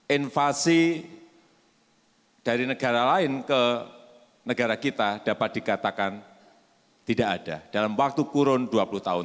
invasi dari negara lain ke negara kita dapat dikatakan tidak ada dalam waktu kurun dua puluh tahun